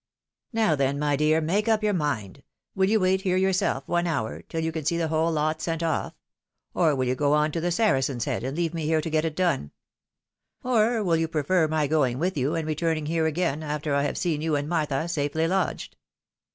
" Now, then, my dear, make up your mind. WiU you wait here yourself one hour, till you can see the whole lot sent off? Or will you go on to the Saracen's Head, and leave me here to get it done? Or wUl you prefer my going with you, and re turning here again after I have seen you and Martha safely lodged?"